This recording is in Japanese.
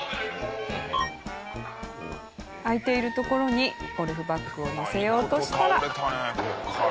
空いているところにゴルフバッグを載せようとしたら。